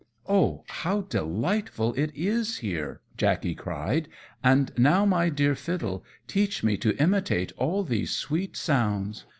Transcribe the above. "Oh, how delightful it is here!" Jackey cried; "and now, my dear Fiddle, teach me to imitate all these sweet sounds."